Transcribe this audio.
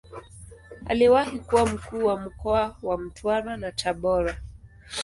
Aliwahi kuwa Mkuu wa mkoa wa Mtwara na Tabora.